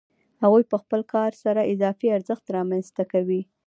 هغوی په خپل کار سره اضافي ارزښت رامنځته کوي